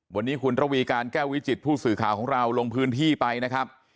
วันนี้คุณระวีการแก้ววิจิตผู้สื่อข่าวของเราลงพื้นที่ไปนะครับ